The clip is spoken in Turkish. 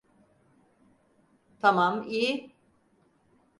Tamam, iyi.